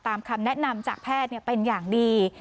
คำแนะนำจากแพทย์เป็นอย่างดี